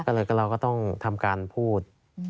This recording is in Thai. ก็เลยเราก็ต้องทำการพูด